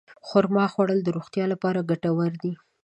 د خرما خوړل د روغتیا لپاره ګټور دي.